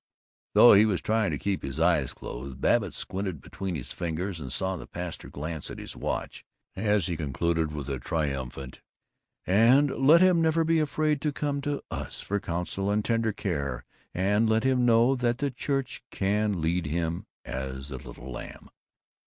Though he was trying to keep his eyes closed, Babbitt squinted between his fingers and saw the pastor glance at his watch as he concluded with a triumphant, "And let him never be afraid to come to Us for counsel and tender care, and let him know that the church can lead him as a little lamb."